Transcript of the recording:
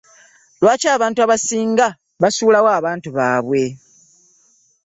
Lwaki abantu abasinga basulawo abaana baabwe.